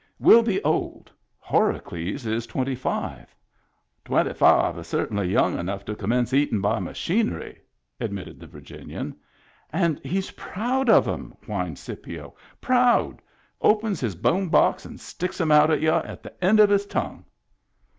" We'll be old. Horacles is twenty five/* "Twenty five is certainly young to commence eatin' by machinery," admitted the Virginian. And he's proud of 'em," whined Scipio. Proud I Opens his bone box and sticks 'em out at y'u on the end of his tongue."